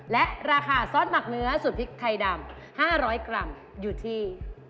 และราคาซอสหมักเนื้อสูตรพริกไทยดำ๕๐๐กรัมอยู่ที่